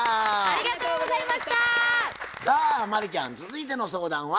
さあ真理ちゃん続いての相談は？